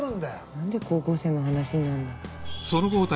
なんで高校生の話になるの？